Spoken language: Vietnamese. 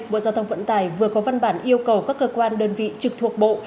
bộ giao thông vận tải vừa có văn bản yêu cầu các cơ quan đơn vị trực thuộc bộ